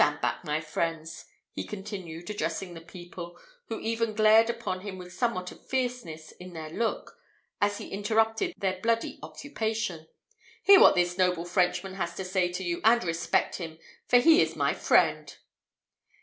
stand back, my friends," he continued, addressing the people, who even glared upon him with somewhat of fierceness in their look, as he interrupted their bloody occupation; "hear what this noble Frenchman has to say to you, and respect him, for he is my friend."